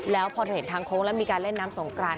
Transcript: แล้วพอเธอเห็นทางโค้งแล้วมีการเล่นน้ำสงกราน